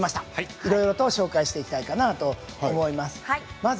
いろいろと紹介していきたいかなと思います。